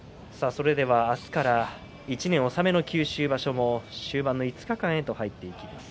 それでは明日から１年納めの九州場所も終盤の５日間へと入っていきます。